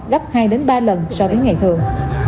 gấp hai ba lần so với ngày thường